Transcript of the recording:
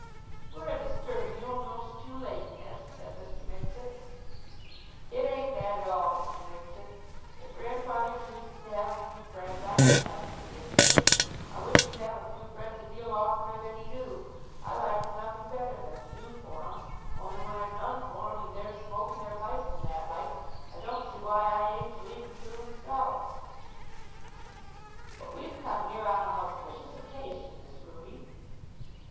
"We're a disturbing you a'most too late, miss," said Mr. Mixet. "It ain't that at all, Mr. Mixet. If grandfather chooses to have a few friends, I ain't nothing against it. I wish he'd have a few friends a deal oftener than he do. I likes nothing better than to do for 'em; only when I've done for 'em and they're smoking their pipes and that like, I don't see why I ain't to leave 'em to 'emselves." "But we've come here on a hauspicious occasion, Miss Ruby."